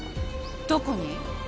どこに？